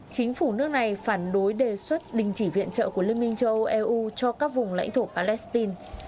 chính phủ nước này phản đối đề xuất đình chỉ viện trợ của liên minh châu âu eu cho các vùng lãnh thổ palestine